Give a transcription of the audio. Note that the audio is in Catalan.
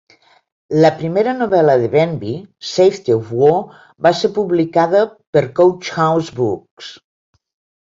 La primera novel·la de Benvie, Safety of War, va ser publicada per Coach House Books.